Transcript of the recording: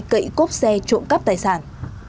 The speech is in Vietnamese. cậy gốc xe trộm cắp tài sản